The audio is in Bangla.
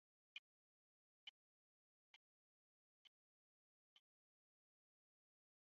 আপনি আমাকে হাবাগোবা আর অন্য দশটা অপরাধীর মতো দেখেন।